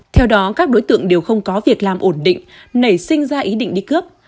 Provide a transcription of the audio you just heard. theo đó các đối tượng đều không có việc làm ổn định nảy sinh ra ý định đi cướp